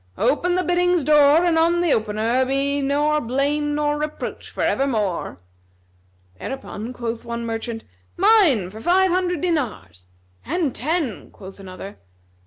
Open the biddings' door and on the opener be nor blame nor reproach for evermore." Thereupon quoth one merchant, "Mine for five hundred dinars;" "And ten," quoth another.